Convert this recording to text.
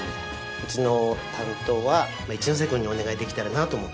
うちの担当は一ノ瀬くんにお願いできたらなと思って。